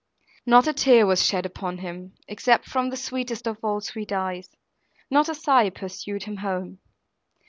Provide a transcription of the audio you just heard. Not a tear was shed upon him, except from the sweetest of all sweet eyes; not a sigh pursued him home.